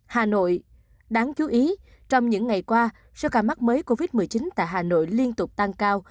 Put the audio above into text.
hà nội đáng chú ý trong những ngày qua số ca mắc mới covid một mươi chín tại hà nội liên tục tăng cao